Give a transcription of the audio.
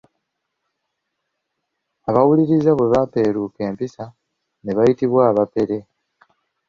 Abawuliriza bwe baapeeruuka empisa, ne bayitibwa abapere.